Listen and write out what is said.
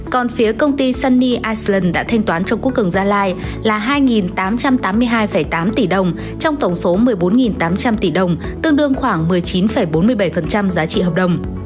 còn phía công ty sunny iceland đã thanh toán cho quốc cường gia lai là hai tám trăm tám mươi hai tám tỷ đồng trong tổng số một mươi bốn tám trăm linh tỷ đồng tương đương khoảng một mươi chín bốn mươi bảy giá trị hợp đồng